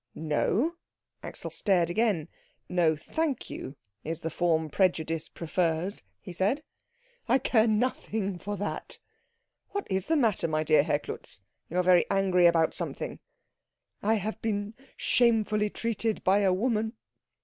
"No?" Axel stared again. "'No thank you' is the form prejudice prefers," he said. "I care nothing for that." "What is the matter, my dear Herr Klutz? You are very angry about something." "I have been shamefully treated by a woman."